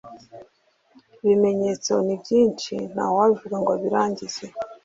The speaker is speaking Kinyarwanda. Ibimenyetso ni byinshi ntawabivuga ngo abirangize